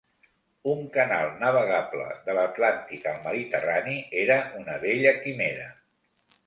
Un canal navegable de l'atlàntic al mediterrani era una vella quimera.